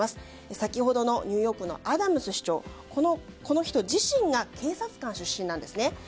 先ほどのニューヨークのアダムズ市長この人自身が警察官出身なんですね。